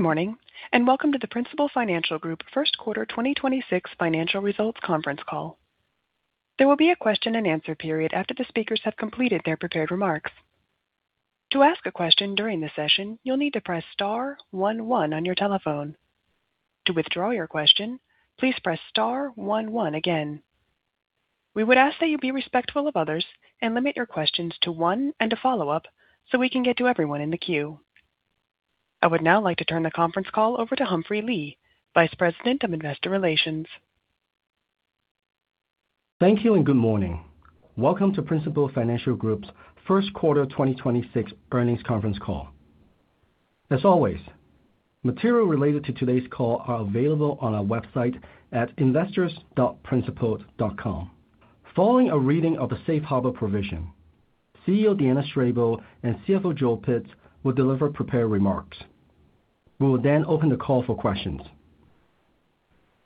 Morning, and welcome to the Principal Financial Group Q1 2026 Financial Results Conference Call. There will be a question and answer period after the speakers have completed their prepared remarks. To ask a question during the session, you'll need to press star one one on your telephone. To withdraw your question, please press star one one again. We would ask that you be respectful of others and limit your questions to one and a follow-up so we can get to everyone in the queue. I would now like to turn the conference call over to Humphrey Lee, Vice President of Investor Relations. Thank you, and good morning. Welcome to Principal Financial Group's Q1 2026 earnings conference call. As always, material related to today's call are available on our website at investors.principal.com. Following a reading of the safe harbor provision, CEO Deanna Strable and CFO Joel Pitz will deliver prepared remarks. We will then open the call for questions.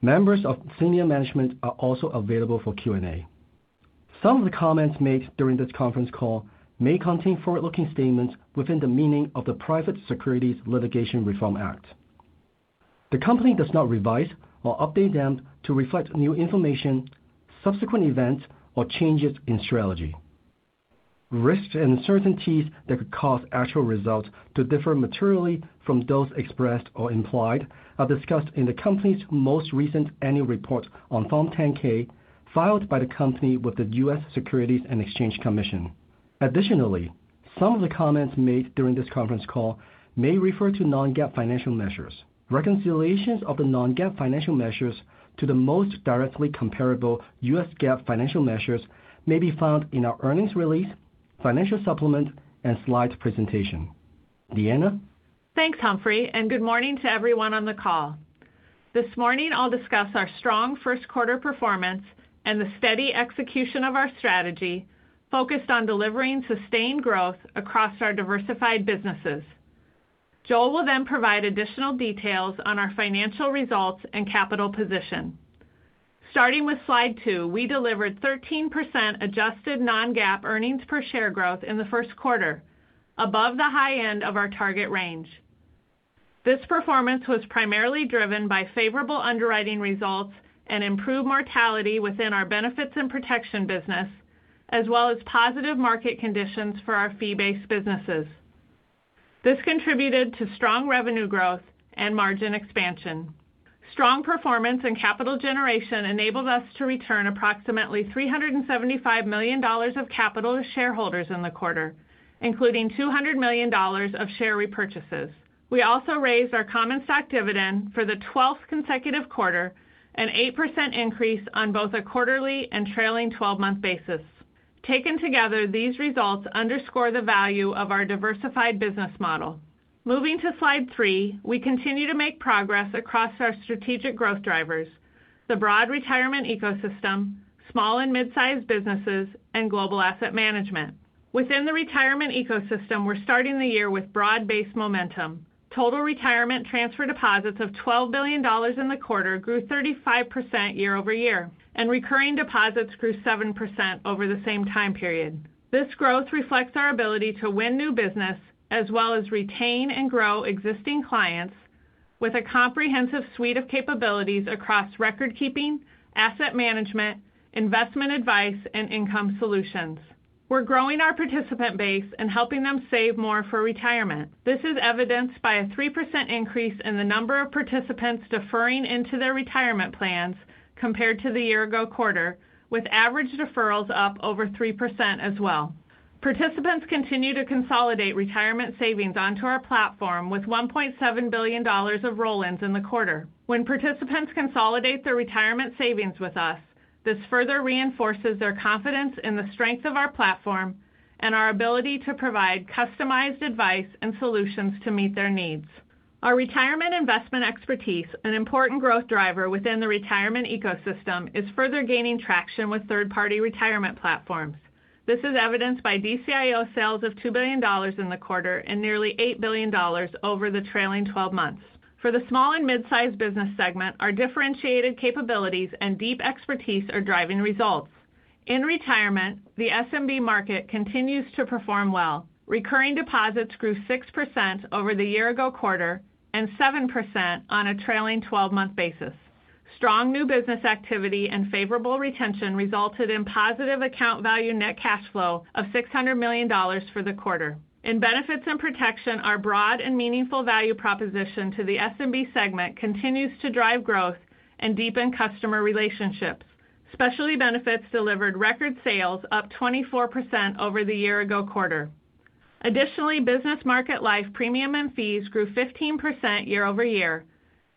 Members of senior management are also available for Q&A. Some of the comments made during this conference call may contain forward-looking statements within the meaning of the Private Securities Litigation Reform Act. The company does not revise or update them to reflect new information, subsequent events, or changes in strategy. Risks and uncertainties that could cause actual results to differ materially from those expressed or implied are discussed in the company's most recent annual report on Form 10-K filed by the company with the U.S. Securities and Exchange Commission. Additionally, some of the comments made during this conference call may refer to non-GAAP financial measures. Reconciliations of the non-GAAP financial measures to the most directly comparable U.S. GAAP financial measures may be found in our earnings release, financial supplement, and slides presentation. Deanna? Thanks, Humphrey, and good morning to everyone on the call. This morning I'll discuss our strong Q1 performance and the steady execution of our strategy focused on delivering sustained growth across our diversified businesses. Joel will then provide additional details on our financial results and capital position. Starting with slide two, we delivered 13% adjusted non-GAAP earnings per share growth in the Q1, above the high end of our target range. This performance was primarily driven by favorable underwriting results and improved mortality within our benefits and protection business, as well as positive market conditions for our fee-based businesses. This contributed to strong revenue growth and margin expansion. Strong performance and capital generation enabled us to return approximately $375 million of capital to shareholders in the quarter, including $200 million of share repurchases. We also raised our common stock dividend for the twelfth consecutive quarter, an 8% increase on both a quarterly and trailing 12-month basis. Taken together, these results underscore the value of our diversified business model. Moving to slide three, we continue to make progress across our strategic growth drivers, the broad retirement ecosystem, small and mid-sized businesses, and global asset management. Within the retirement ecosystem, we're starting the year with broad-based momentum. Total retirement transfer deposits of $12 billion in the quarter grew 35% year-over-year, and recurring deposits grew 7% over the same time period. This growth reflects our ability to win new business as well as retain and grow existing clients with a comprehensive suite of capabilities across recordkeeping, asset management, investment advice, and income solutions. We're growing our participant base and helping them save more for retirement. This is evidenced by a 3% increase in the number of participants deferring into their retirement plans compared to the year-ago quarter, with average deferrals up over 3% as well. Participants continue to consolidate retirement savings onto our platform with $1.7 billion of roll-ins in the quarter. When participants consolidate their retirement savings with us, this further reinforces their confidence in the strength of our platform and our ability to provide customized advice and solutions to meet their needs. Our retirement investment expertise, an important growth driver within the retirement ecosystem, is further gaining traction with third-party retirement platforms. This is evidenced by DCIO sales of $2 billion in the quarter and nearly $8 billion over the trailing 12 months. For the small and mid-sized business segment, our differentiated capabilities and deep expertise are driving results. In retirement, the SMB market continues to perform well. Recurring deposits grew 6% over the year-ago quarter and 7% on a trailing 12-month basis. Strong new business activity and favorable retention resulted in positive account value net cash flow of $600 million for the quarter. In Benefits and Protection, our broad and meaningful value proposition to the SMB segment continues to drive growth and deepen customer relationships. Specialty Benefits delivered record sales up 24% over the year-ago quarter. Additionally, Business Markets Life premium and fees grew 15% year-over-year,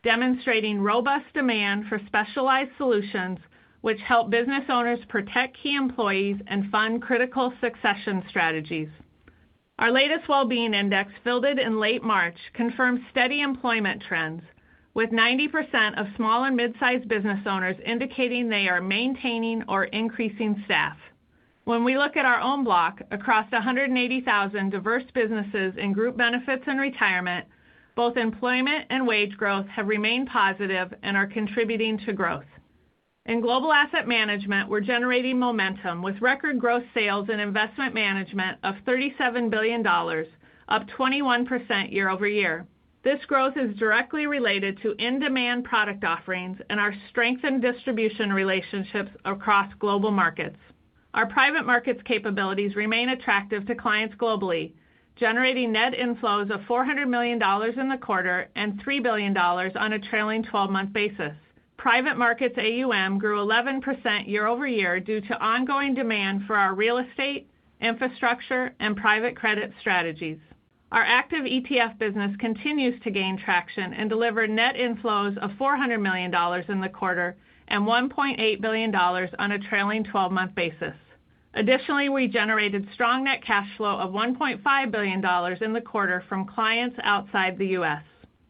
demonstrating robust demand for specialized solutions which help business owners protect key employees and fund critical succession strategies. Our latest Wellbeing Index, fielded in late March, confirmed steady employment trends with 90% of small and mid-sized business owners indicating they are maintaining or increasing staff. When we look at our own block across 180,000 diverse businesses in group benefits and retirement, both employment and wage growth have remained positive and are contributing to growth. In global asset management, we're generating momentum with record growth sales and investment management of $37 billion, up 21% year-over-year. This growth is directly related to in-demand product offerings and our strength in distribution relationships across global markets. Our private markets capabilities remain attractive to clients globally, generating net inflows of $400 million in the quarter, and $3 billion on a trailing 12-month basis. Private markets AUM grew 11% year-over-year due to ongoing demand for our real estate, infrastructure, and private credit strategies. Our active ETF business continues to gain traction and deliver net inflows of $400 million in the quarter, and $1.8 billion on a trailing 12-month basis. Additionally, we generated strong net cash flow of $1.5 billion in the quarter from clients outside the U.S.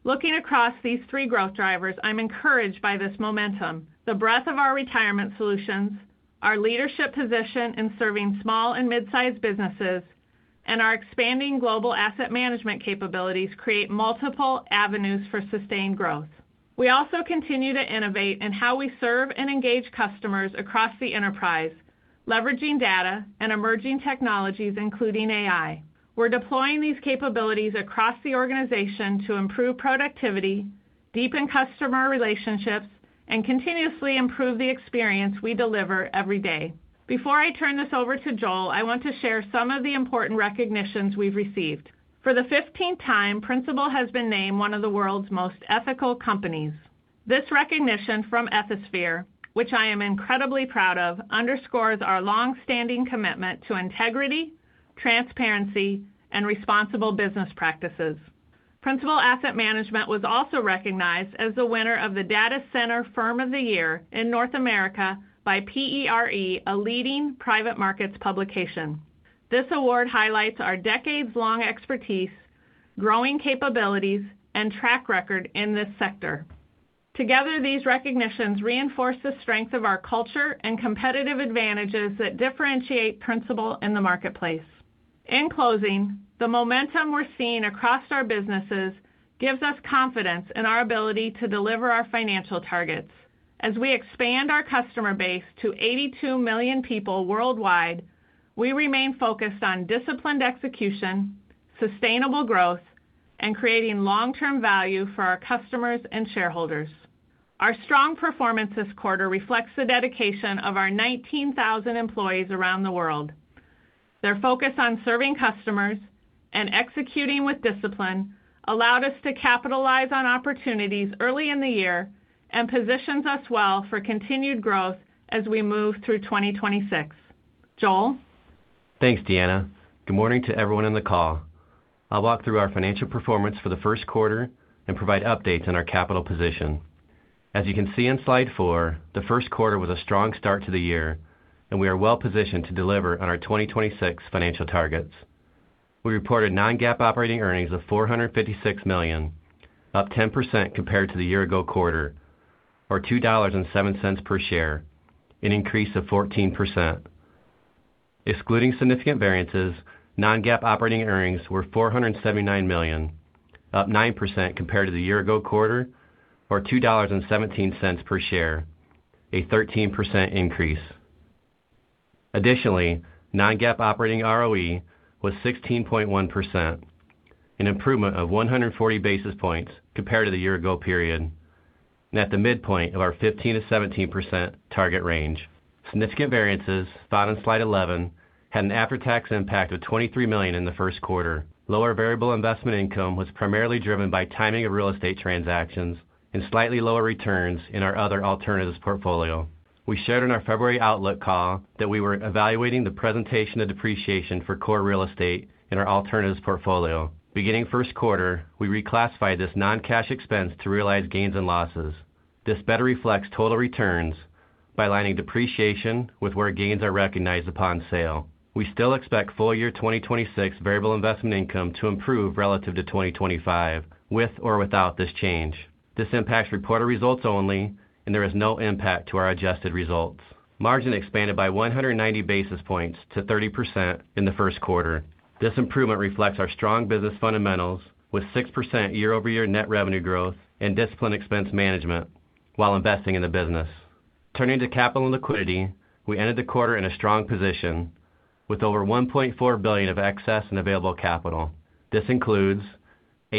Looking across these three growth drivers, I'm encouraged by this momentum. The breadth of our retirement solutions, our leadership position in serving small and mid-size businesses, and our expanding global asset management capabilities create multiple avenues for sustained growth. We also continue to innovate in how we serve and engage customers across the enterprise, leveraging data and emerging technologies, including AI. We're deploying these capabilities across the organization to improve productivity, deepen customer relationships, and continuously improve the experience we deliver every day. Before I turn this over to Joel, I want to share some of the important recognitions we've received. For the 15th time, Principal has been named one of the world's most ethical companies. This recognition from Ethisphere, which I am incredibly proud of, underscores our long-standing commitment to integrity, transparency, and responsible business practices. Principal Asset Management was also recognized as the winner of the Data Center Firm of the Year in North America by PERE, a leading private markets publication. This award highlights our decades-long expertise, growing capabilities, and track record in this sector. Together, these recognitions reinforce the strength of our culture and competitive advantages that differentiate Principal in the marketplace. In closing, the momentum we're seeing across our businesses gives us confidence in our ability to deliver our financial targets. As we expand our customer base to 82 million people worldwide, we remain focused on disciplined execution, sustainable growth, and creating long-term value for our customers and shareholders. Our strong performance this quarter reflects the dedication of our 19,000 employees around the world. Their focus on serving customers and executing with discipline allowed us to capitalize on opportunities early in the year, and positions us well for continued growth as we move through 2026. Joel? Thanks, Deanna. Good morning to everyone on the call. I'll walk through our financial performance for the Q1 and provide updates on our capital position. As you can see on slide 4, the Q1 was a strong start to the year, and we are well-positioned to deliver on our 2026 financial targets. We reported non-GAAP operating earnings of $456 million, up 10% compared to the year ago quarter, or $2.07 per share, an increase of 14%. Excluding significant variances, non-GAAP operating earnings were $479 million, up 9% compared to the year ago quarter, or $2.17 per share, a 13% increase. Additionally, non-GAAP operating ROE was 16.1%, an improvement of 140 basis points compared to the year ago period, and at the midpoint of our 15%-17% target range. Significant variances, found on slide 11, had an after-tax impact of $23 million in the Q1. Lower variable investment income was primarily driven by timing of real estate transactions and slightly lower returns in our other alternatives portfolio. We shared in our February outlook call that we were evaluating the presentation of depreciation for core real estate in our alternatives portfolio. Beginning Q1, we reclassified this non-cash expense to realized gains and losses. This better reflects total returns by aligning depreciation with where gains are recognized upon sale. We still expect full year 2026 variable investment income to improve relative to 2025 with or without this change. This impacts reported results only, and there is no impact to our adjusted results. Margin expanded by 190 basis points to 30% in the Q1. This improvement reflects our strong business fundamentals with 6% year-over-year net revenue growth and disciplined expense management while investing in the business. Turning to capital and liquidity, we ended the quarter in a strong position with over $1.4 billion of excess and available capital. This includes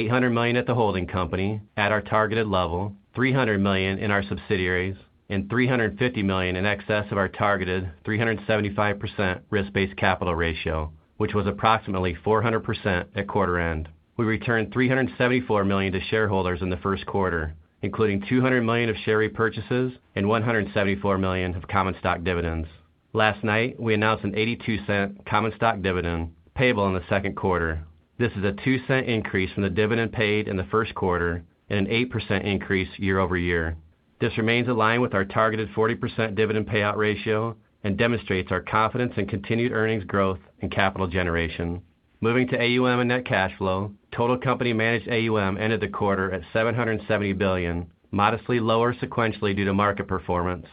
$800 million at the holding company at our targeted level, $300 million in our subsidiaries, and $350 million in excess of our targeted 375% risk-based capital ratio, which was approximately 400% at quarter end. We returned $374 million to shareholders in the Q1, including $200 million of share repurchases and $174 million of common stock dividends. Last night, we announced a $0.82 common stock dividend payable in the Q2. This is a 2-cent increase from the dividend paid in the Q1, and an 8% increase year-over-year. This remains aligned with our targeted 40% dividend payout ratio and demonstrates our confidence in continued earnings growth and capital generation. Moving to AUM and net cash flow, total company managed AUM ended the quarter at $770 billion, modestly lower sequentially due to market performance,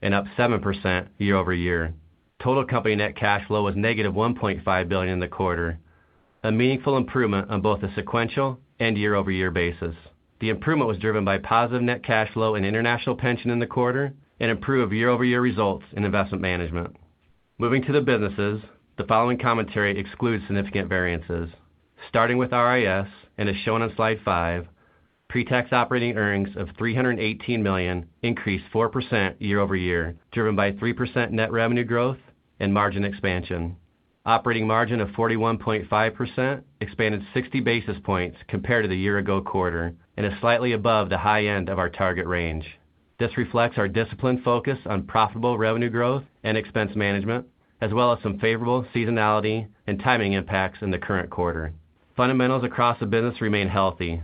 and up 7% year-over-year. Total company net cash flow was negative $1.5 billion in the quarter. A meaningful improvement on both a sequential and year-over-year basis. The improvement was driven by positive net cash flow and international pension in the quarter, and improved year-over-year results in investment management. Moving to the businesses, the following commentary excludes significant variances. Starting with RIS, and as shown on slide five, pre-tax operating earnings of $318 million increased 4% year-over-year, driven by 3% net revenue growth and margin expansion. Operating margin of 41.5% expanded 60 basis points compared to the year-ago quarter, and is slightly above the high end of our target range. This reflects our disciplined focus on profitable revenue growth and expense management, as well as some favorable seasonality and timing impacts in the current quarter. Fundamentals across the business remain healthy.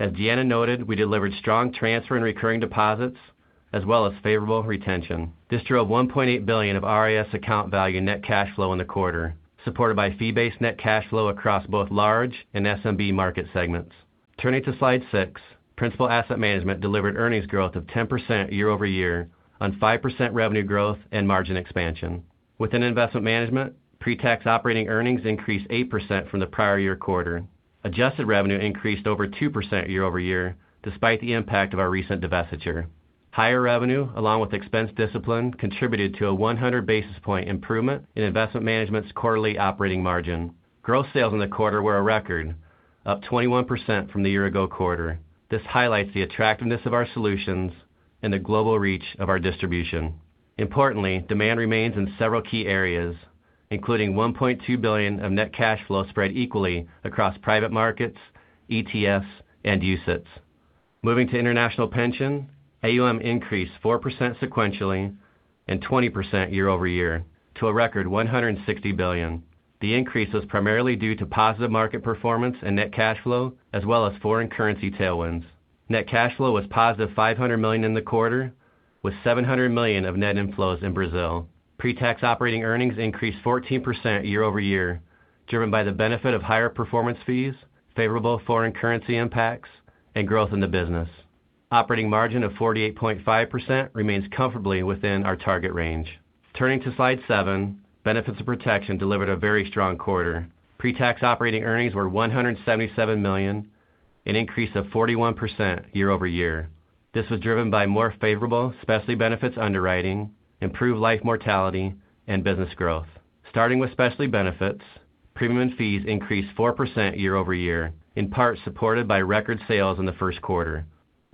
As Deanna noted, we delivered strong transfer and recurring deposits, as well as favorable retention. This drove $1.8 billion of RIS account value net cash flow in the quarter, supported by fee-based net cash flow across both large and SMB market segments. Turning to slide 6, Principal Asset Management delivered earnings growth of 10% year-over-year on 5% revenue growth and margin expansion. Within investment management, pre-tax operating earnings increased 8% from the prior-year quarter. Adjusted revenue increased over 2% year-over-year, despite the impact of our recent divestiture. Higher revenue, along with expense discipline, contributed to a 100 basis point improvement in investment management's quarterly operating margin. Gross sales in the quarter were a record, up 21% from the year-ago quarter. This highlights the attractiveness of our solutions and the global reach of our distribution. Importantly, demand remains in several key areas, including $1.2 billion of net cash flow spread equally across private markets, ETFs, and UCITS. Moving to international pension, AUM increased 4% sequentially and 20% year-over-year to a record $160 billion. The increase was primarily due to positive market performance and net cash flow, as well as foreign currency tailwinds. Net cash flow was positive $500 million in the quarter, with $700 million of net inflows in Brazil. Pre-tax operating earnings increased 14% year-over-year, driven by the benefit of higher performance fees, favorable foreign currency impacts, and growth in the business. Operating margin of 48.5% remains comfortably within our target range. Turning to slide 7, Benefits and Protection delivered a very strong quarter. Pre-tax operating earnings were $177 million, an increase of 41% year-over-year. This was driven by more favorable specialty benefits underwriting, improved life mortality, and business growth. Starting with specialty benefits, premium fees increased 4% year-over-year, in part supported by record sales in the Q1.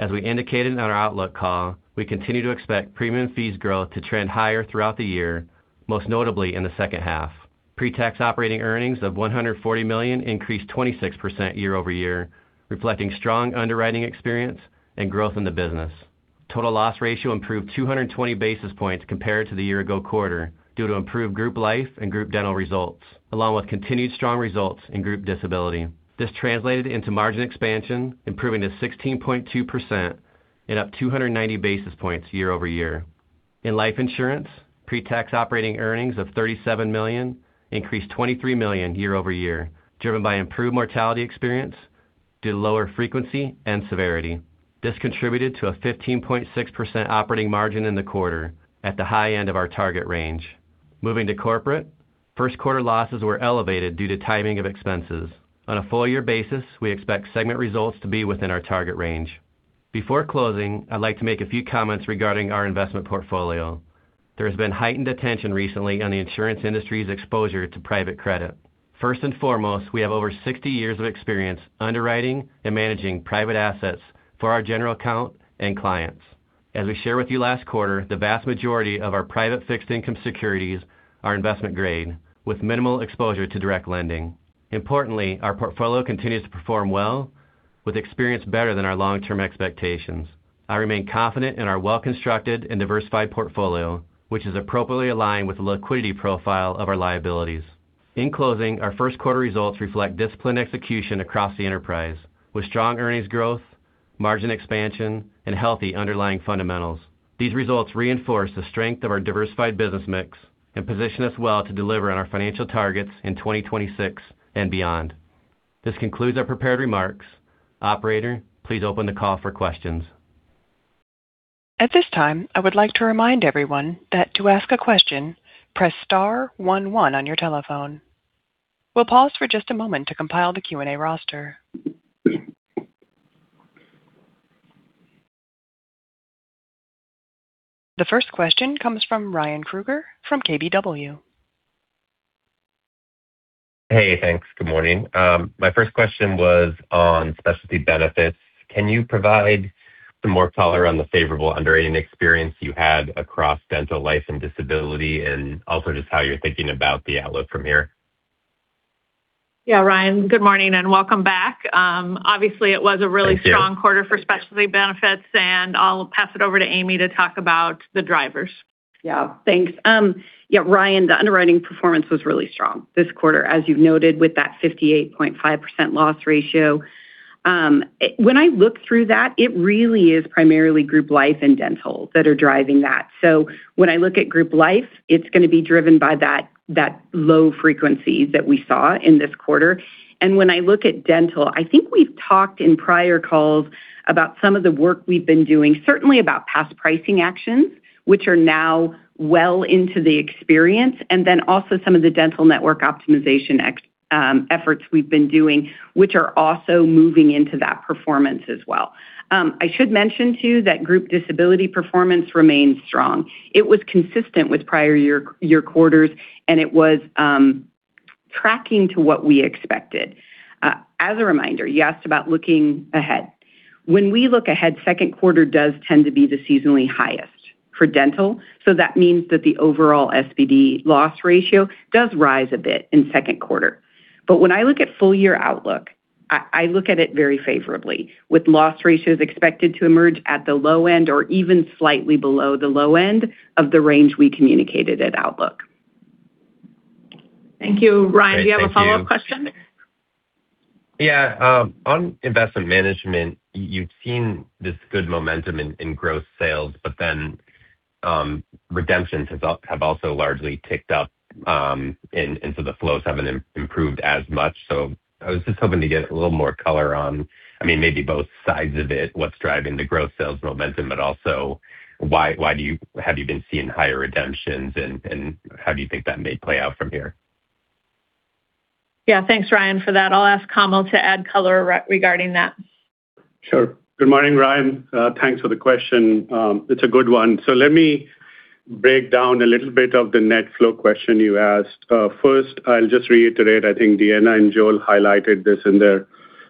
As we indicated on our outlook call, we continue to expect premium fees growth to trend higher throughout the year, most notably in the second half. Pre-tax operating earnings of $140 million increased 26% year-over-year, reflecting strong underwriting experience and growth in the business. Total loss ratio improved 220 basis points compared to the year-ago quarter due to improved group life and group dental results, along with continued strong results in group disability. This translated into margin expansion, improving to 16.2% and up 290 basis points year over year. In life insurance, pre-tax operating earnings of $37 million increased $23 million year over year, driven by improved mortality experience due to lower frequency and severity. This contributed to a 15.6% operating margin in the quarter at the high end of our target range. Moving to corporate, Q1 losses were elevated due to timing of expenses. On a full year basis, we expect segment results to be within our target range. Before closing, I'd like to make a few comments regarding our investment portfolio. There has been heightened attention recently on the insurance industry's exposure to private credit. First and foremost, we have over 60 years of experience underwriting and managing private assets for our general account and clients. As we shared with you last quarter, the vast majority of our private fixed income securities are investment grade with minimal exposure to direct lending. Importantly, our portfolio continues to perform well with experience better than our long-term expectations. I remain confident in our well-constructed and diversified portfolio, which is appropriately aligned with the liquidity profile of our liabilities. In closing, our Q1 results reflect disciplined execution across the enterprise with strong earnings growth, margin expansion, and healthy underlying fundamentals. These results reinforce the strength of our diversified business mix and position us well to deliver on our financial targets in 2026 and beyond. This concludes our prepared remarks. Operator, please open the call for questions. At this time, I would like to remind everyone that to ask a question, press star one one on your telephone. We'll pause for just a moment to compile the Q&A roster. The first question comes from Ryan Krueger from KBW. Hey, thanks. Good morning. My first question was on specialty benefits. Can you provide some more color on the favorable underwriting experience you had across dental, life, and disability, and also just how you're thinking about the outlook from here? Yeah. Ryan, good morning, and welcome back. Thank you. Obviously, it was a really strong quarter for specialty benefits, and I'll pass it over to Amy to talk about the drivers. Yeah. Thanks. Yeah, Ryan, the underwriting performance was really strong this quarter, as you've noted, with that 58.5% loss ratio. When I look through that, it really is primarily group life and dental that are driving that. When I look at group life, it's going to be driven by that low frequency that we saw in this quarter. When I look at dental, I think we've talked in prior calls about some of the work we've been doing, certainly about past pricing actions, which are now well into the experience, and then also some of the dental network optimization efforts we've been doing, which are also moving into that performance as well. I should mention too, that group disability performance remains strong. It was consistent with prior year quarters, and it was tracking to what we expected. As a reminder, you asked about looking ahead. When we look ahead, Q2 does tend to be the seasonally highest for dental, so that means that the overall SBD loss ratio does rise a bit in Q2. When I look at full year outlook, I look at it very favorably, with loss ratios expected to emerge at the low end or even slightly below the low end of the range we communicated at Outlook. Thank you. Ryan, do you have a follow-up question? Yeah. On investment management, you've seen this good momentum in gross sales, but then redemptions have also largely ticked up, and so the flows haven't improved as much. I was just hoping to get a little more color on maybe both sides of it, what's driving the growth sales momentum, but also why have you been seeing higher redemptions and how do you think that may play out from here? Yeah. Thanks, Ryan, for that. I'll ask Kamal to add color regarding that. Sure. Good morning, Ryan. Thanks for the question. It's a good one. Let me break down a little bit of the net flow question you asked. First, I'll just reiterate. I think Deanna and Joel highlighted this in their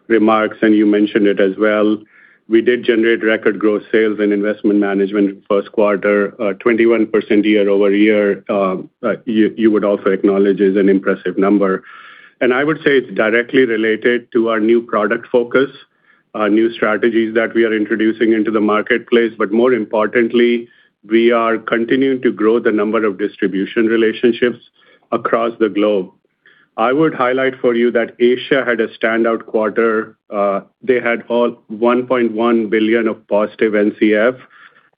remarks, and you mentioned it as well. We did generate record gross sales in investment management Q1, 21% year-over-year. You would also acknowledge is an impressive number. I would say it's directly related to our new product focus, new strategies that we are introducing into the marketplace. More importantly, we are continuing to grow the number of distribution relationships across the globe. I would highlight for you that Asia had a standout quarter. They had a $1.1 billion of positive NCF,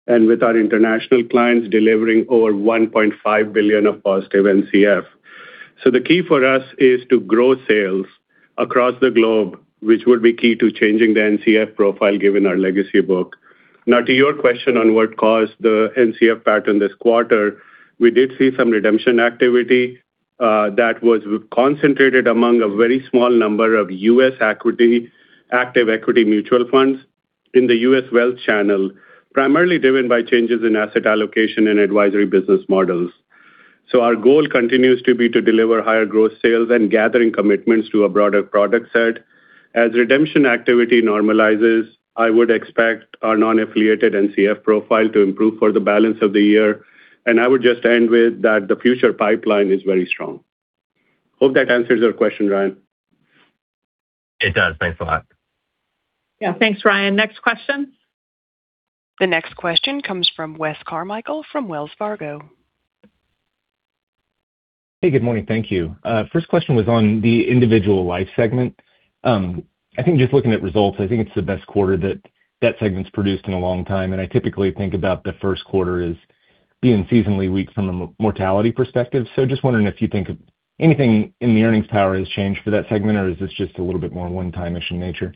and with our international clients delivering over $1.5 billion of positive NCF. The key for us is to grow sales across the globe, which will be key to changing the NCF profile, given our legacy book. Now, to your question on what caused the NCF pattern this quarter, we did see some redemption activity that was concentrated among a very small number of U.S. equity, active equity mutual funds in the U.S. wealth channel, primarily driven by changes in asset allocation and advisory business models. Our goal continues to be to deliver higher growth sales and gathering commitments to a broader product set. As redemption activity normalizes, I would expect our non-affiliated NCF profile to improve for the balance of the year. I would just end with that the future pipeline is very strong. I hope that answers your question, Ryan. It does. Thanks a lot. Yeah, thanks, Ryan. Next question. The next question comes from Wes Carmichael from Wells Fargo. Hey, good morning. Thank you. First question was on the individual life segment. I think just looking at results, I think it's the best quarter that segment's produced in a long time, and I typically think about the Q1 as being seasonally weak from a mortality perspective. Just wondering if you think anything in the earnings power has changed for that segment, or is this just a little bit more one-time in nature?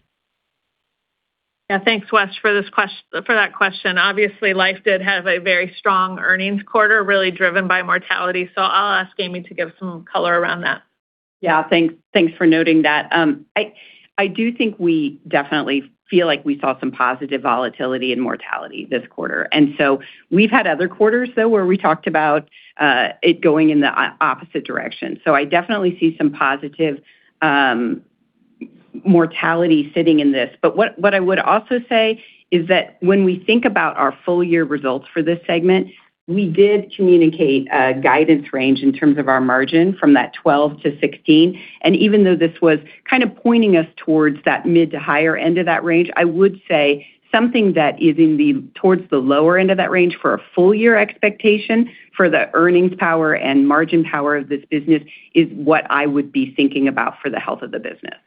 Yeah, thanks, Wes, for that question. Obviously, Life did have a very strong earnings quarter, really driven by mortality. I'll ask Amy to give some color around that. Yeah. Thanks for noting that. I do think we definitely feel like we saw some positive volatility in mortality this quarter. We've had other quarters, though, where we talked about it going in the opposite direction. I definitely see some positive mortality sitting in this. What I would also say is that when we think about our full year results for this segment, we did communicate a guidance range in terms of our margin from that 12%-16%. Even though this was kind of pointing us towards that mid- to higher end of that range, I would say something that is towards the lower end of that range for a full year expectation for the earnings power and margin power of this business is what I would be thinking about for the health of the business.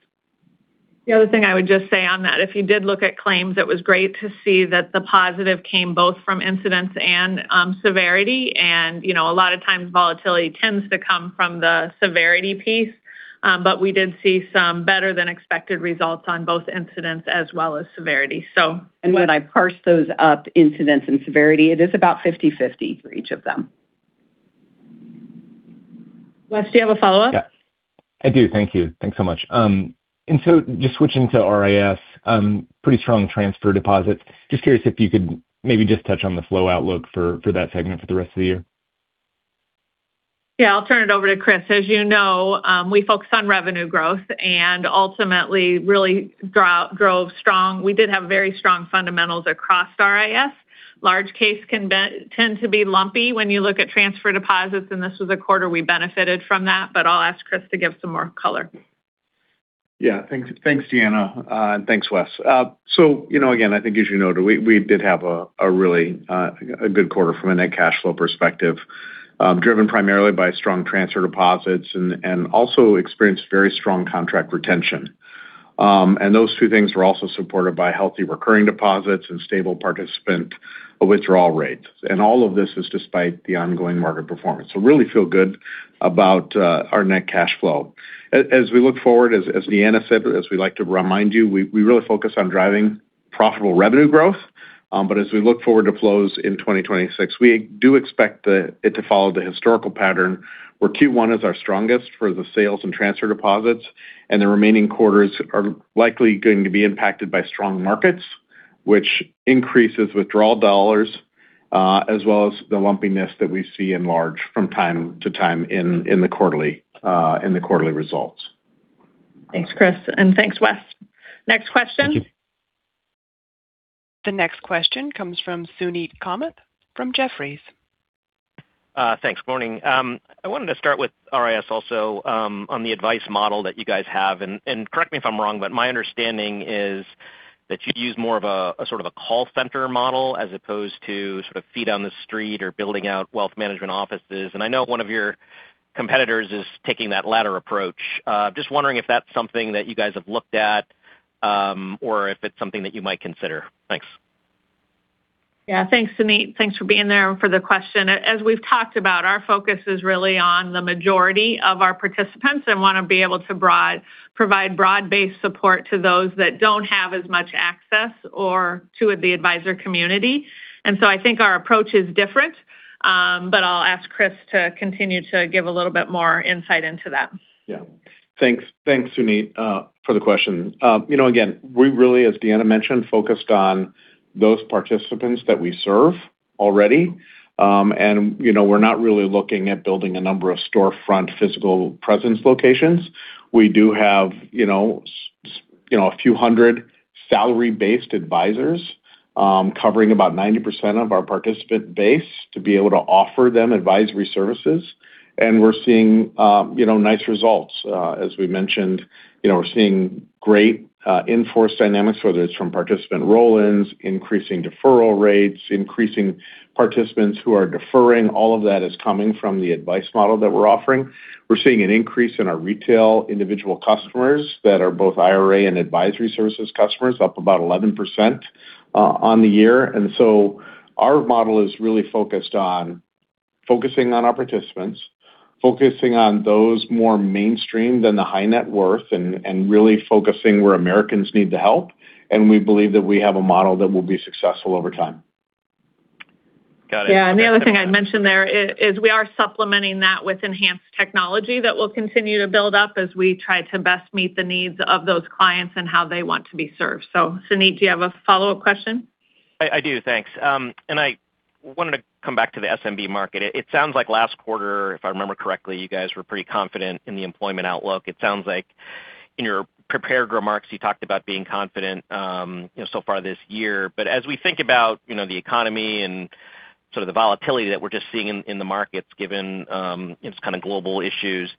The other thing I would just say on that, if you did look at claims, it was great to see that the positive came both from incidents and severity. A lot of times volatility tends to come from the severity piece. We did see some better than expected results on both incidents as well as severity. When I parse those up, incidents and severity, it is about 50/50 for each of them. Wes, do you have a follow-up? Yeah. I do. Thank you. Thanks so much. Just switching to RIS, pretty strong transfer deposits. Just curious if you could maybe just touch on the flow outlook for that segment for the rest of the year? Yeah, I'll turn it over to Chris. As you know, we focus on revenue growth and ultimately really drove strong. We did have very strong fundamentals across RIS. Large cases can tend to be lumpy when you look at transfer deposits, and this was a quarter we benefited from that, but I'll ask Chris to give some more color. Yeah. Thanks, Deanna. Thanks, Wes. Again, I think as you noted, we did have a really good quarter from a net cash flow perspective, driven primarily by strong transfer deposits and also experienced very strong contract retention. Those two things were also supported by healthy recurring deposits and stable participant withdrawal rates. All of this is despite the ongoing market performance. We really feel good about our net cash flow. As we look forward, as Deanna said, as we like to remind you, we really focus on driving profitable revenue growth. As we look forward to flows in 2026, we do expect it to follow the historical pattern where Q1 is our strongest for the sales and transfer deposits, and the remaining quarters are likely going to be impacted by strong markets, which increases withdrawal dollars, as well as the lumpiness that we see in large from time to time in the quarterly results. Thanks, Chris, and thanks, Wes. Next question. Thank you. The next question comes from Suneet Kamath from Jefferies. Thanks. Morning. I wanted to start with RIS also on the advice model that you guys have, and correct me if I'm wrong, but my understanding is that you use more of a sort of a call center model as opposed to sort of feet on the street or building out wealth management offices. I know one of your competitors is taking that latter approach. Just wondering if that's something that you guys have looked at, or if it's something that you might consider. Thanks. Yeah. Thanks, Suneet. Thanks for being there and for the question. As we've talked about, our focus is really on the majority of our participants and want to be able to provide broad-based support to those that don't have as much access or to the advisor community. I think our approach is different, but I'll ask Chris to continue to give a little bit more insight into that. Yeah. Thanks, Suneet, for the question. Again, we really, as Deanna mentioned, focused on those participants that we serve already. We're not really looking at building a number of storefront physical presence locations. We do have a few hundred salary-based advisors, covering about 90% of our participant base to be able to offer them advisory services. We're seeing nice results. As we mentioned, we're seeing great in-force dynamics, whether it's from participant roll-ins, increasing deferral rates, increasing participants who are deferring. All of that is coming from the advice model that we're offering. We're seeing an increase in our retail individual customers that are both IRA and advisory services customers, up about 11% on the year. Our model is really focused on focusing on our participants, focusing on those more mainstream than the high net worth, and really focusing where Americans need the help. We believe that we have a model that will be successful over time. Got it. Yeah. The only thing I'd mention there is we are supplementing that with enhanced technology that we'll continue to build up as we try to best meet the needs of those clients and how they want to be served. Suneet, do you have a follow-up question? I do, thanks. I wanted to come back to the SMB market. It sounds like last quarter, if I remember correctly, you guys were pretty confident in the employment outlook. It sounds like in your prepared remarks, you talked about being confident so far this year. As we think about the economy and sort of the volatility that we're just seeing in the markets given its kind of global issues,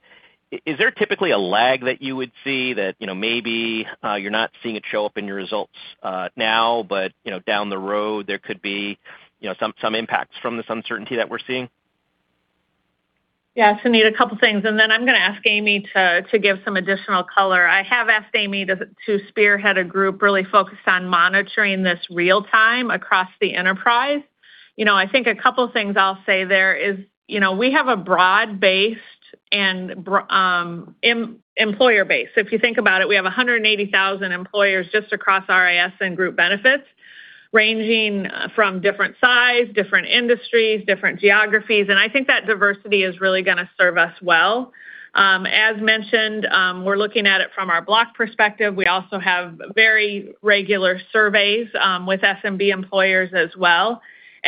is there typically a lag that you would see that maybe you're not seeing it show up in your results now, but down the road there could be some impacts from this uncertainty that we're seeing? Yeah, Suneet, a couple things, and then I'm going to ask Amy to give some additional color. I have asked Amy to spearhead a group really focused on monitoring this real time across the enterprise. I think a couple things I'll say there is we have a broad base and employer base. If you think about it, we have 180,000 employers just across RIS and Group Benefits, ranging from different size, different industries, different geographies, and I think that diversity is really going to serve us well. As mentioned, we're looking at it from our block perspective. We also have very regular surveys with SMB employers as well.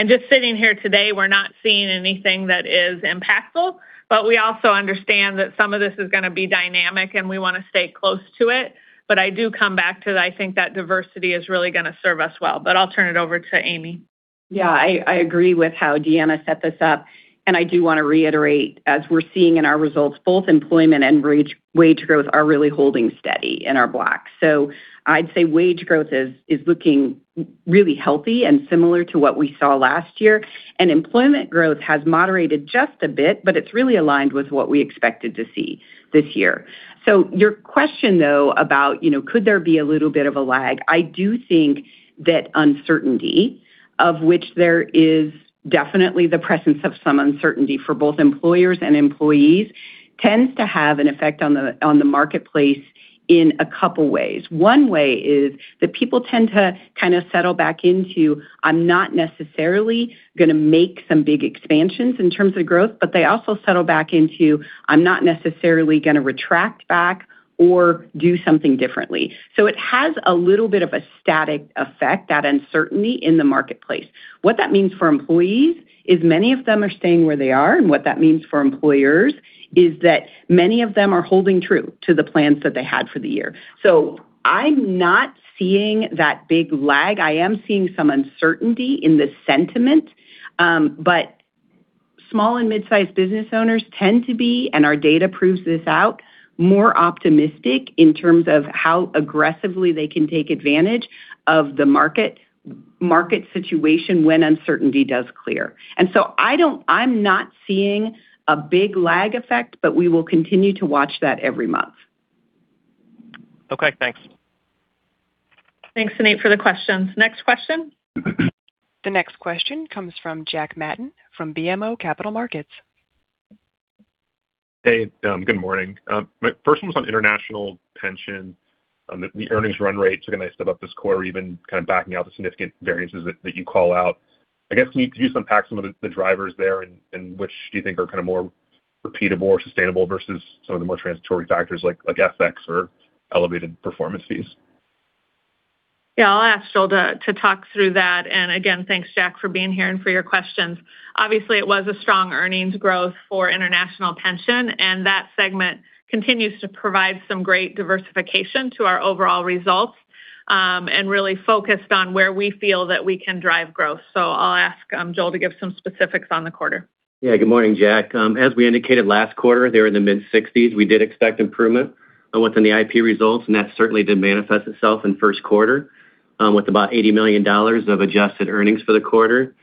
Just sitting here today, we're not seeing anything that is impactful, but we also understand that some of this is going to be dynamic, and we want to stay close to it. I do come back to that I think that diversity is really going to serve us well. I'll turn it over to Amy. Yeah, I agree with how Deanna set this up, and I do want to reiterate, as we're seeing in our results, both employment and wage growth are really holding steady in our blocks. I'd say wage growth is looking really healthy and similar to what we saw last year. Employment growth has moderated just a bit, but it's really aligned with what we expected to see this year. Your question, though, about could there be a little bit of a lag, I do think that uncertainty, of which there is definitely the presence of some uncertainty for both employers and employees, tends to have an effect on the marketplace in a couple ways. One way is that people tend to kind of settle back into, I'm not necessarily going to make some big expansions in terms of growth, but they also settle back into, I'm not necessarily going to retract back or do something differently. It has a little bit of a static effect, that uncertainty in the marketplace. What that means for employees is many of them are staying where they are, and what that means for employers is that many of them are holding true to the plans that they had for the year. I'm not seeing that big lag. I am seeing some uncertainty in the sentiment. Small and mid-sized business owners tend to be, and our data proves this out, more optimistic in terms of how aggressively they can take advantage of the market situation when uncertainty does clear. I'm not seeing a big lag effect, but we will continue to watch that every month. Okay, thanks. Thanks, Suneet, for the questions. Next question. The next question comes from Jack Matten from BMO Capital Markets. Hey, good morning. My first one was on international pension. The earnings run rates are going to step up this quarter, even backing out the significant variances that you call out. I guess, can you unpack some of the drivers there and which do you think are more repeatable or sustainable versus some of the more transitory factors like FX or elevated performance fees? Yeah, I'll ask Joel to talk through that. Again, thanks, Jack, for being here and for your questions. Obviously, it was a strong earnings growth for international pension, and that segment continues to provide some great diversification to our overall results, and really focused on where we feel that we can drive growth. I'll ask Joel to give some specifics on the quarter. Yeah. Good morning, Jack. As we indicated last quarter, they were in the mid-60s%. We did expect improvement within the IP results, and that certainly did manifest itself in Q1, with about $80 million of adjusted earnings for the quarter.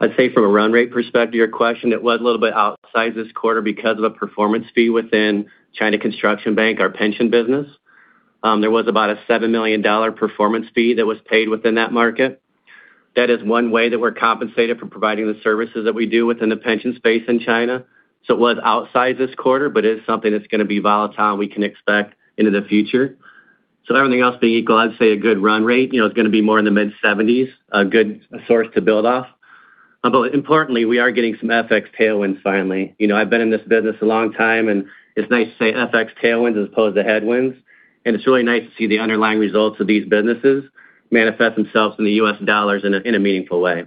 I'd say from a run rate perspective to your question, it was a little bit outside this quarter because of a performance fee within China Construction Bank, our pension business. There was about a $7 million performance fee that was paid within that market. That is one way that we're compensated for providing the services that we do within the pension space in China. It was outside this quarter, but it is something that's going to be volatile and we can expect into the future. Everything else being equal, I'd say a good run rate. It's going to be more in the mid-70s, a good source to build off. Importantly, we are getting some FX tailwinds finally. I've been in this business a long time, and it's nice to say FX tailwinds as opposed to headwinds. It's really nice to see the underlying results of these businesses manifest themselves in the U.S. dollars in a meaningful way.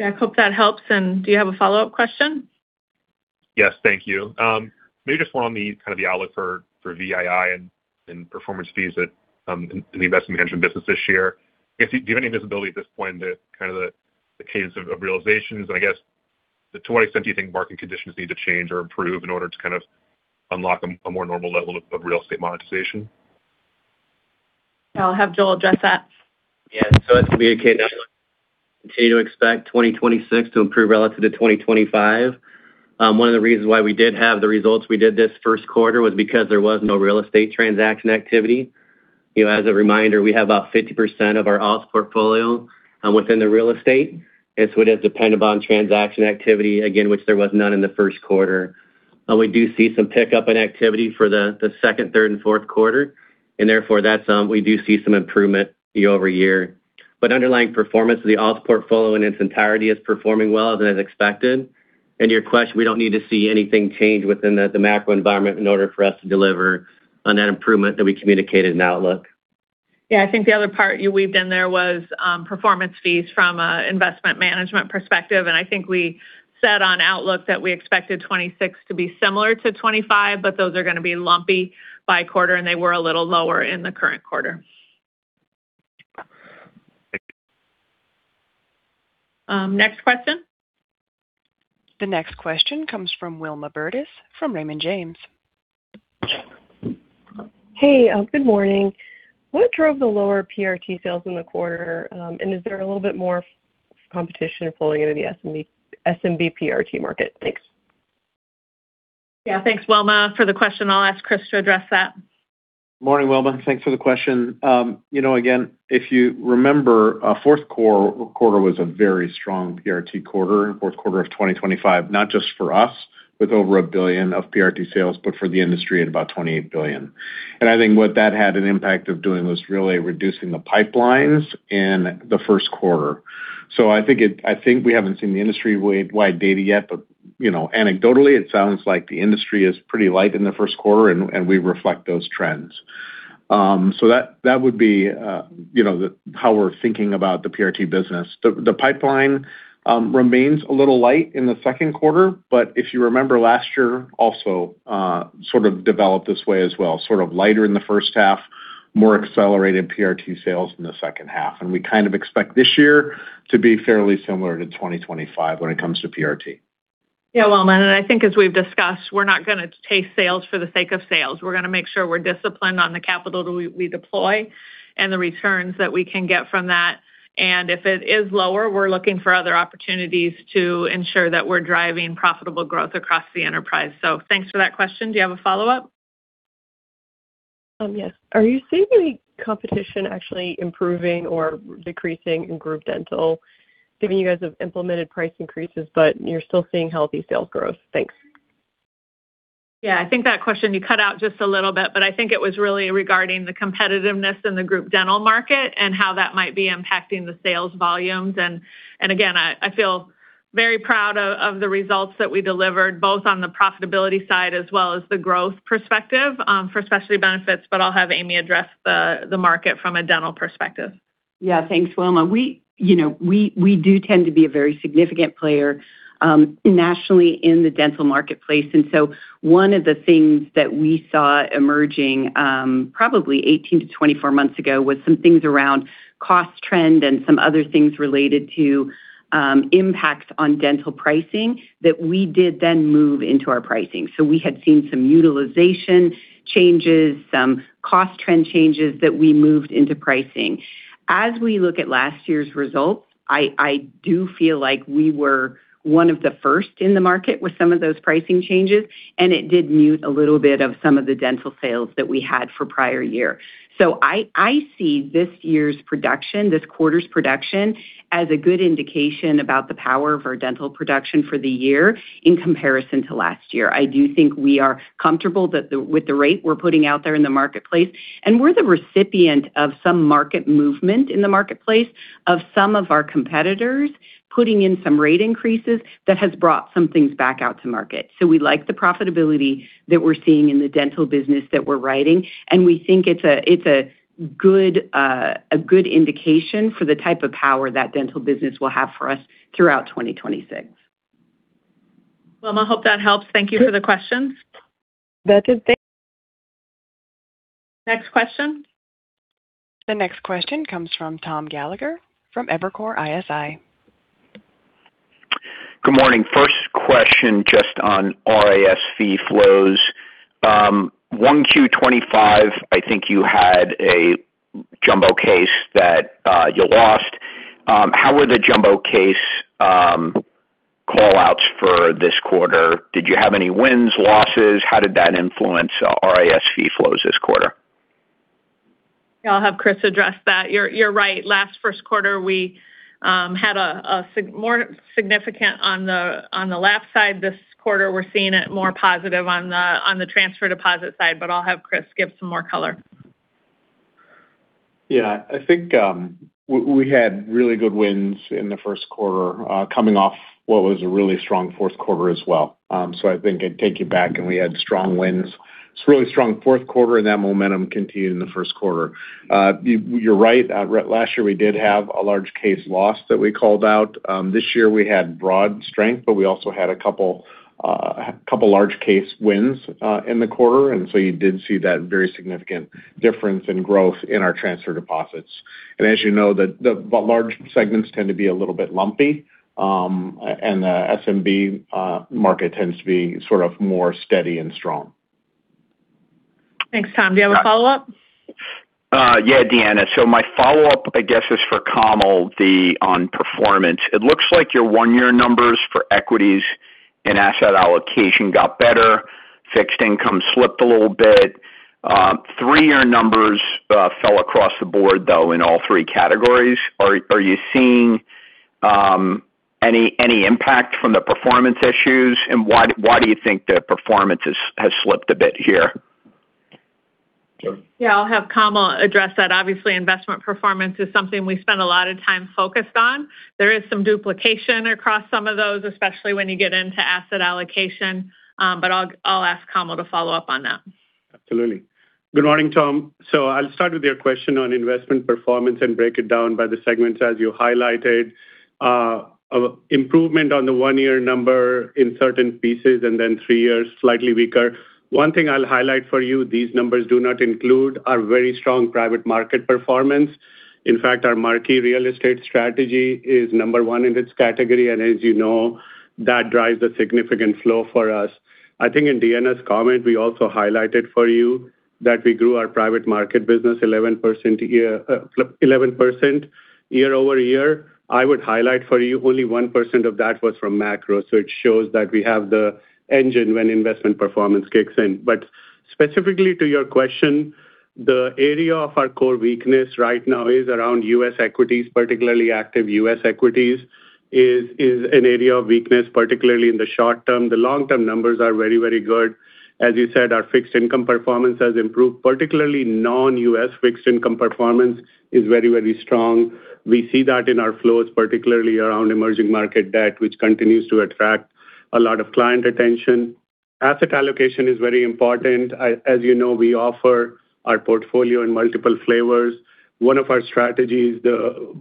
Jack, hope that helps. Do you have a follow-up question? Yes. Thank you. Maybe just one on the outlook for VII and performance fees in the investment pension business this year. Do you have any visibility at this point into the cadence of realizations? And I guess to what extent do you think market conditions need to change or improve in order to unlock a more normal level of real estate monetization? I'll have Joel address that. Yeah. It will be a cadence. Continue to expect 2026 to improve relative to 2025. One of the reasons why we did have the results we did this Q1 was because there was no real estate transaction activity. As a reminder, we have about 50% of our alts portfolio within the real estate. It would have depended upon transaction activity, again, which there was none in the Q1. We do see some pickup in activity for the Q2, Q3, and Q4, and therefore, we do see some improvement year-over-year. Underlying performance of the alts portfolio in its entirety is performing well as expected. To your question, we don't need to see anything change within the macro environment in order for us to deliver on that improvement that we communicated in Outlook. Yeah, I think the other part you weaved in there was performance fees from an investment management perspective. I think we said on Outlook that we expected 2026 to be similar to 2025, but those are going to be lumpy by quarter, and they were a little lower in the current quarter. Thank you. Next question. The next question comes from Wilma Burdis from Raymond James. Hey, good morning. What drove the lower PRT sales in the quarter? Is there a little bit more competition flowing into the SMB PRT market? Thanks. Yeah. Thanks, Wilma, for the question. I'll ask Chris to address that. Morning, Wilma. Thanks for the question. Again, if you remember, Q4 was a very strong PRT quarter, Q4 of 2025. Not just for us with over $1 billion of PRT sales, but for the industry at about $28 billion. I think what that had an impact of doing was really reducing the pipelines in the Q1. I think we haven't seen the industry-wide data yet, but anecdotally, it sounds like the industry is pretty light in the Q1, and we reflect those trends. That would be how we're thinking about the PRT business. The pipeline remains a little light in the Q2, but if you remember last year also sort of developed this way as well, sort of lighter in the first half, more accelerated PRT sales in the second half. We kind of expect this year to be fairly similar to 2025 when it comes to PRT. Yeah, Wilma, and I think as we've discussed, we're not going to chase sales for the sake of sales. We're going to make sure we're disciplined on the capital that we deploy and the returns that we can get from that. If it is lower, we're looking for other opportunities to ensure that we're driving profitable growth across the enterprise. Thanks for that question. Do you have a follow-up? Yes. Are you seeing any competition actually improving or decreasing in group dental, given you guys have implemented price increases, but you're still seeing healthy sales growth? Thanks. Yeah, I think that question you cut out just a little bit, but I think it was really regarding the competitiveness in the group dental market, and how that might be impacting the sales volumes. Again, I feel very proud of the results that we delivered, both on the profitability side as well as the growth perspective for specialty benefits. I'll have Amy address the market from a dental perspective. Yeah. Thanks, Wilma. We do tend to be a very significant player nationally in the dental marketplace. One of the things that we saw emerging probably 18-24 months ago was some things around cost trend and some other things related to impacts on dental pricing that we did then move into our pricing. We had seen some utilization changes, some cost trend changes that we moved into pricing. As we look at last year's results, I do feel like we were one of the first in the market with some of those pricing changes, and it did mute a little bit of some of the dental sales that we had for prior year. I see this year's production, this quarter's production, as a good indication about the power of our dental production for the year in comparison to last year. I do think we are comfortable with the rate we're putting out there in the marketplace, and we're the recipient of some market movement in the marketplace of some of our competitors putting in some rate increases that has brought some things back out to market. We like the profitability that we're seeing in the dental business that we're writing, and we think it's a good indication for the type of power that dental business will have for us throughout 2026. Well, I hope that helps. Thank you for the question. That's it. Next question. The next question comes from Thomas Gallagher from Evercore ISI. Good morning. First question just on RIS fee flows. 1Q 2025, I think you had a jumbo case that you lost. How were the jumbo case call-outs for this quarter? Did you have any wins, losses? How did that influence RIS fee flows this quarter? Yeah. I'll have Chris address that. You're right. In the Q1, we had more significant on the left side. This quarter, we're seeing it more positive on the transfer deposit side, but I'll have Chris give some more color. Yeah. I think we had really good wins in the Q1 coming off what was a really strong Q4 as well. I think I'd take you back and we had strong wins. It's a really strong Q4, and that momentum continued in the Q1. You're right. Last year we did have a large case loss that we called out. This year we had broad strength, but we also had a couple large case wins in the quarter. You did see that very significant difference in growth in our transfer deposits. As you know, the large segments tend to be a little bit lumpy, and the SMB market tends to be sort of more steady and strong. Thanks, Tom. Do you have a follow-up? Yeah, Deanna. My follow-up, I guess, is for Kamal on performance. It looks like your one-year numbers for equities and asset allocation got better. Fixed income slipped a little bit. Three-year numbers fell across the board, though, in all three categories. Are you seeing any impact from the performance issues? Why do you think the performance has slipped a bit here? Yeah, I'll have Kamal address that. Obviously, investment performance is something we spend a lot of time focused on. There is some duplication across some of those, especially when you get into asset allocation. I'll ask Kamal to follow up on that. Absolutely. Good morning, Tom. I'll start with your question on investment performance and break it down by the segments as you highlighted. Improvement on the one-year number in certain pieces, and then three years slightly weaker. One thing I'll highlight for you, these numbers do not include our very strong private market performance. In fact, our marquee real estate strategy is number one in its category. As you know, that drives a significant flow for us. I think in Deanna's comment, we also highlighted for you that we grew our private market business 11% year-over-year. I would highlight for you only 1% of that was from macro. It shows that we have the engine when investment performance kicks in. Specifically to your question, the area of our core weakness right now is around U.S. equities, particularly active U.S. equities is an area of weakness, particularly in the short term. The long term numbers are very, very good. As you said, our fixed income performance has improved, particularly non-U.S. fixed income performance is very, very strong. We see that in our flows, particularly around emerging market debt, which continues to attract a lot of client attention. Asset allocation is very important. As you know, we offer our portfolio in multiple flavors. One of our strategies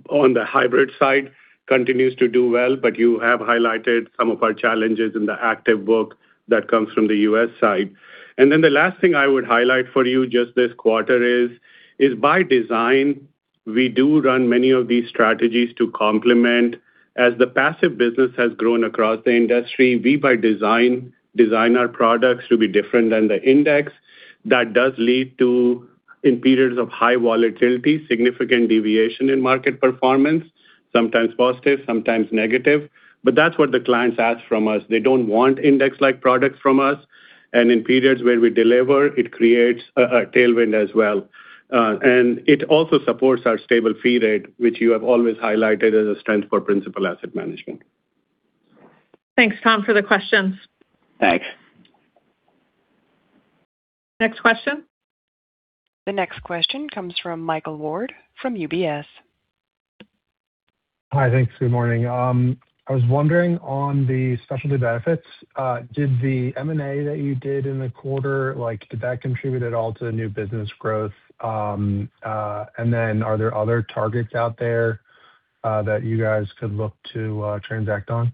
on the hybrid side continues to do well, but you have highlighted some of our challenges in the active work that comes from the U.S. side. The last thing I would highlight for you just this quarter is by design, we do run many of these strategies to complement. As the passive business has grown across the industry, we by design our products to be different than the index. That does lead to, in periods of high volatility, significant deviation in market performance, sometimes positive, sometimes negative. That's what the clients ask from us. They don't want index-like products from us. In periods where we deliver, it creates a tailwind as well. It also supports our stable fee rate, which you have always highlighted as a strength for Principal Asset Management. Thanks, Tom, for the questions. Thanks. Next question. The next question comes from Michael Ward from UBS. Hi. Thanks. Good morning. I was wondering on the specialty benefits, did the M&A that you did in the quarter, did that contribute at all to the new business growth? And then are there other targets out there that you guys could look to transact on?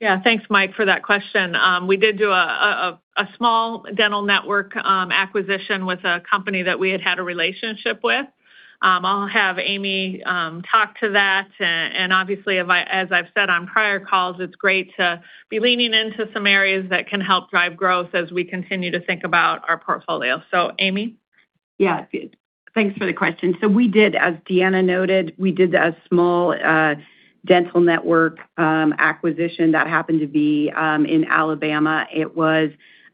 Yeah. Thanks, Mike, for that question. We did do a small dental network acquisition with a company that we had had a relationship with. I'll have Amy talk to that. And obviously, as I've said on prior calls, it's great to be leaning into some areas that can help drive growth as we continue to think about our portfolio. Amy? Yeah. Thanks for the question. We did, as Deanna noted, a small dental network acquisition that happened to be in Alabama. It was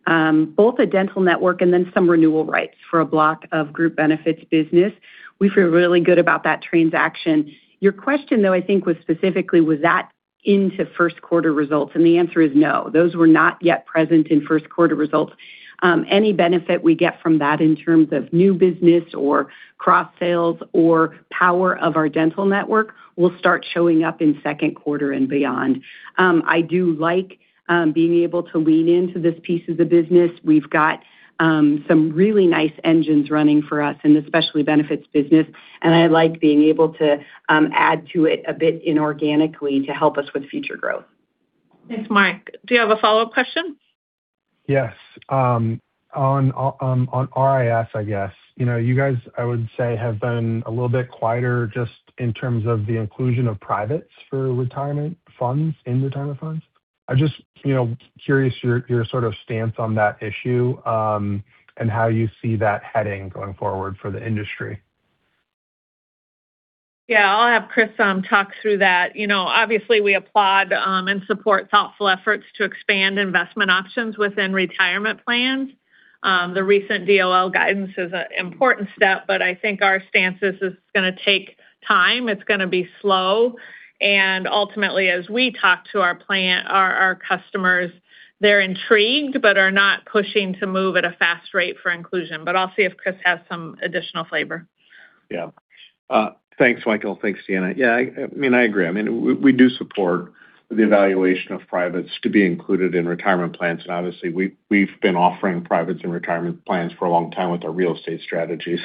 both a dental network and then some renewal rights for a block of group benefits business. We feel really good about that transaction. Your question, though, I think was specifically that in the Q1 results? The answer is no. Those were not yet present in Q1 results. Any benefit we get from that in terms of new business or cross-sales or power of our dental network will start showing up in Q2 and beyond. I do like being able to lean into this piece of the business. We've got some really nice engines running for us in the specialty benefits business, and I like being able to add to it a bit inorganically to help us with future growth. Thanks, Mike. Do you have a follow-up question? Yes. On RIS, I guess you guys have been a little bit quieter just in terms of the inclusion of privates for retirement funds in retirement funds. I'm just curious about your sort of stance on that issue, and how you see that heading going forward for the industry. Yeah, I'll have Chris talk through that. Obviously we applaud and support thoughtful efforts to expand investment options within retirement plans. The recent DOL guidance is an important step, but I think our stance is it's going to take time. It's going to be slow. Ultimately, as we talk to our plan our customers, they're intrigued but are not pushing to move at a fast rate for inclusion. I'll see if Chris has some additional flavor. Yeah. Thanks, Michael. Thanks, Deanna. Yeah, I agree. We do support the evaluation of privates to be included in retirement plans. Obviously we've been offering privates and retirement plans for a long time with our real estate strategies.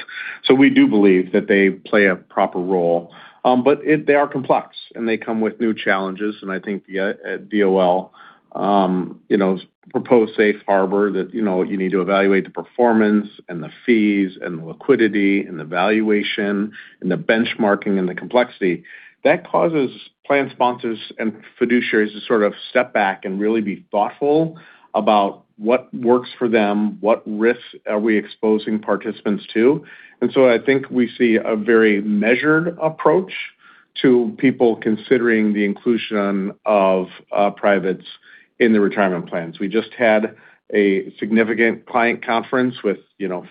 We do believe that they play a proper role. They are complex, and they come with new challenges. I think the DOL's proposed safe harbor that you need to evaluate the performance and the fees and the liquidity and the valuation and the benchmarking and the complexity. That causes plan sponsors and fiduciaries to sort of step back and really be thoughtful about what works for them, what risks are we exposing participants to. I think we see a very measured approach to people considering the inclusion of privates in the retirement plans. We just had a significant client conference with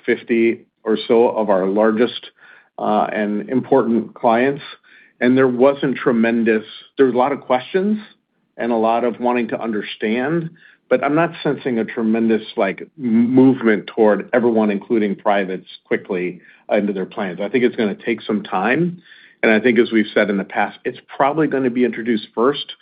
50 or so of our largest, and important clients, and there wasn't tremendous. There was a lot of questions and a lot of wanting to understand, but I'm not sensing a tremendous movement toward everyone including privates quickly into their plans. I think it's going to take some time, and I think, as we've said in the past, it's probably going to be introduced first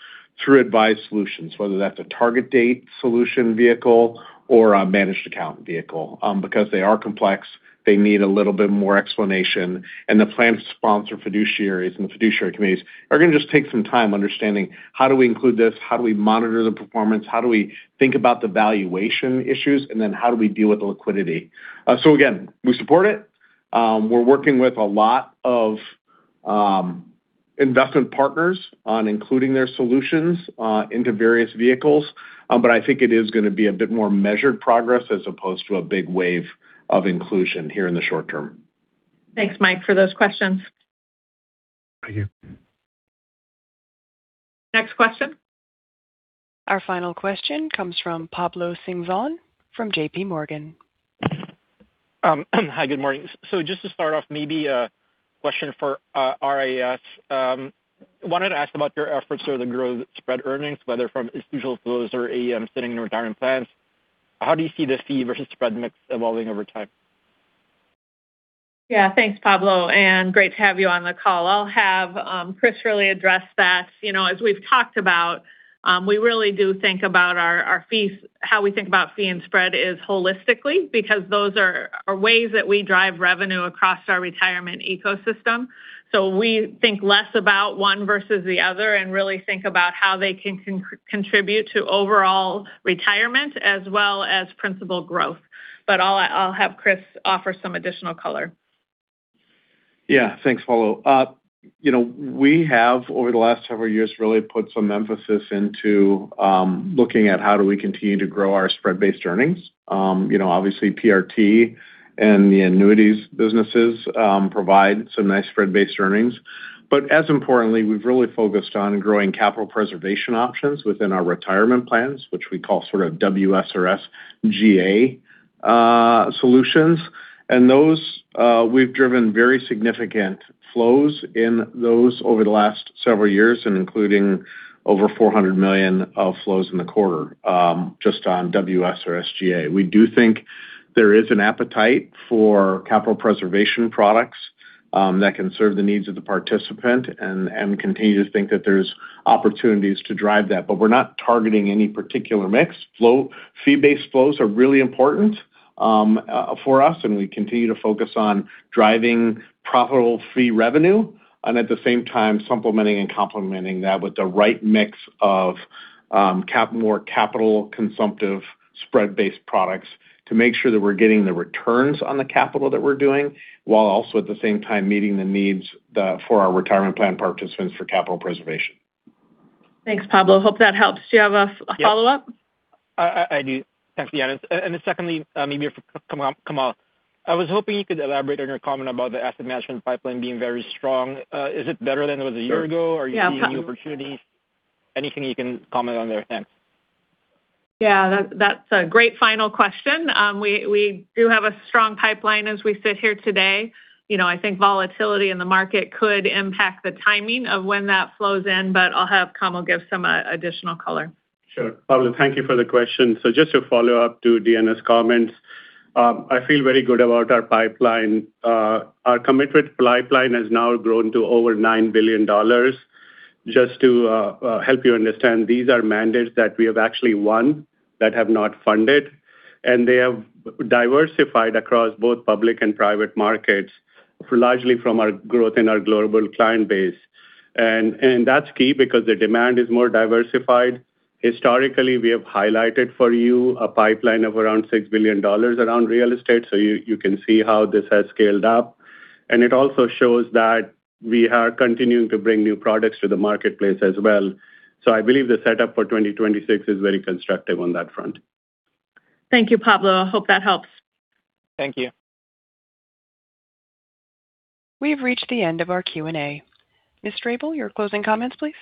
through advised solutions, whether that's a target date solution vehicle or a managed account vehicle. Because they are complex, they need a little bit more explanation, and the plan sponsor fiduciaries and the fiduciary committees are going to just take some time understanding how do we include this? How do we monitor the performance? How do we think about the valuation issues? And then how do we deal with the liquidity? Again, we support it. We're working with a lot of investment partners on including their solutions into various vehicles. I think it is going to be a bit more measured progress as opposed to a big wave of inclusion here in the short term. Thanks, Mike, for those questions. Thank you. Next question. Our final question comes from Pablo Singzon from J.P. Morgan. Hi, good morning. Just to start off, maybe a question for RIS. Wanted to ask about your efforts or the growth spread earnings, whether from institutional flows or AUM sitting in retirement plans. How do you see the fee versus spread mix evolving over time? Yeah, thanks, Pablo, and great to have you on the call. I'll have Chris really address that. As we've talked about, we really do think about our fees, how we think about fee and spread is holistically, because those are our ways that we drive revenue across our retirement ecosystem. We think less about one versus the other and really think about how they can contribute to overall retirement as well as Principal growth. I'll have Chris offer some additional color. Yeah, thanks, Pablo. We have, over the last several years, really put some emphasis into looking at how do we continue to grow our spread-based earnings. Obviously, PRT and the annuities businesses provide some nice spread-based earnings. As importantly, we've really focused on growing capital preservation options within our retirement plans, which we call WSRS GA solutions. Those, we've driven very significant flows in those over the last several years, and including over $400 million of flows in the quarter, just on WSRS GA. We do think there is an appetite for capital preservation products that can serve the needs of the participant and continue to think that there's opportunities to drive that. We're not targeting any particular mix. Fee-based flows are really important for us, and we continue to focus on driving profitable fee revenue, and at the same time supplementing and complementing that with the right mix of more capital consumptive spread-based products to make sure that we're getting the returns on the capital that we're doing, while also at the same time meeting the needs for our retirement plan participants for capital preservation. Thanks, Pablo. Hope that helps. Do you have a follow-up? I do. Thanks, Deanna. Secondly, maybe for Kamal. I was hoping you could elaborate on your comment about the asset management pipeline being very strong. Is it better than it was a year ago? Are you seeing new opportunities? Anything you can comment on there? Thanks. Yeah, that's a great final question. We do have a strong pipeline as we sit here today. I think volatility in the market could impact the timing of when that flows in, but I'll have Kamal give some additional color. Sure. Pablo, thank you for the question. Just to follow up to Deanna's comments, I feel very good about our pipeline. Our committed pipeline has now grown to over $9 billion. Just to help you understand, these are mandates that we have actually won that have not funded, and they have diversified across both public and private markets, largely from our growth in our global client base. That's key because the demand is more diversified. Historically, we have highlighted for you a pipeline of around $6 billion around real estate, so you can see how this has scaled up. It also shows that we are continuing to bring new products to the marketplace as well. I believe the setup for 2026 is very constructive on that front. Thank you, Pablo. Hope that helps. Thank you. We have reached the end of our Q&A. Ms. Strable, your closing comments, please.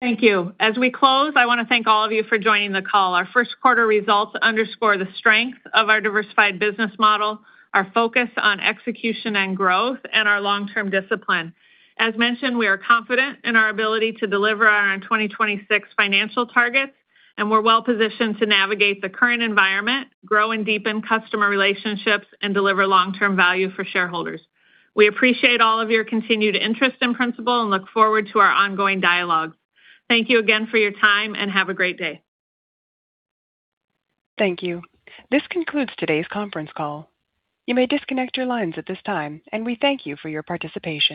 Thank you. As we close, I want to thank all of you for joining the call. Our Q1 results underscore the strength of our diversified business model, our focus on execution and growth, and our long-term discipline. As mentioned, we are confident in our ability to deliver on our 2026 financial targets, and we're well positioned to navigate the current environment, grow and deepen customer relationships, and deliver long-term value for shareholders. We appreciate all of your continued interest in Principal and look forward to our ongoing dialogue. Thank you again for your time, and have a great day. Thank you. This concludes today's conference call. You may disconnect your lines at this time, and we thank you for your participation.